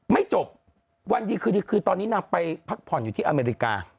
ไม่จบวันดีคืนดีคือตอนนี้นางไปพักผ่อนอยู่ที่อเมริกา